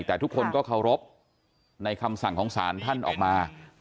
แต่ทุกคนก็เคารพในคำสั่งของศาลท่านออกมา